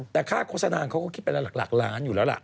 แต่ค่าโฆษณางเขาเบ่งเมื่อก็หลักล้านอยู่แล้วล่ะ